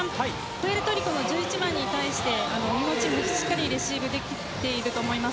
プエルトリコの１１番に対して日本チームはしっかりレシーブできていると思います。